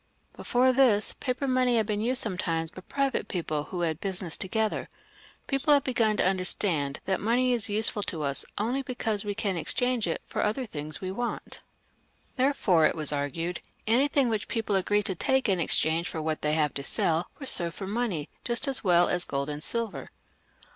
' Before this, paper money had been used sometimes by \ private people who had business together. People had \ begun to understand that money is useful to us only because we can change it away for other things we want. Therefore, anything which people agree to take in exchange for what they have to sell, will serve for money just as well as gold and silver.